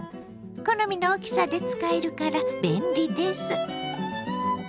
好みの大きさで使えるから便利です。